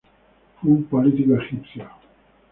Fue un político egipcio.